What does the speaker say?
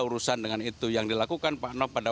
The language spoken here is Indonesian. urusan dengan itu yang dilakukan pak nop pada